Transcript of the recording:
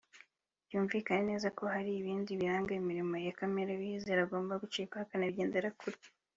Byumvikane neza ko hari n’ibindi biranga imirimo ya kamere uwizera agomba gucikaho akanabigendera kure